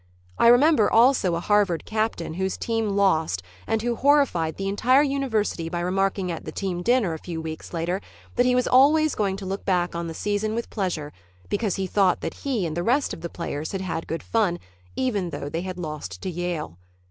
I remember, also, a Harvard captain whose team lost and who horrified the entire university by remarking at the team dinner a few weeks later that he was always going to look back on the season with pleasure because he thought that he and the rest of the players had had good fun, even though they had lost to Yale.